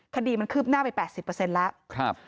คดีมันคืบหน้าไป๘๐แล้ว